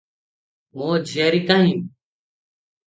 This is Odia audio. ମୋ ଝିଆରୀ କାହିଁ?